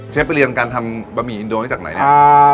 ไปเรียนการทำบะหมี่อินโดได้จากไหนเนี่ย